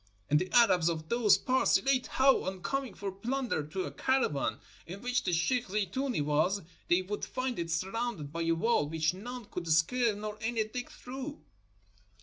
And the Arabs of those parts relate how, on coming for plunder to a caravan in which the sheikh Zeetoonee was, they would find it surrounded by a wall which none could scale nor any dig through."